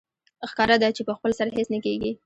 ښکاره ده چې په خپل سر هېڅ نه کېږي